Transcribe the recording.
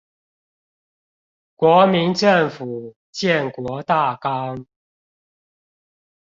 國民政府建國大綱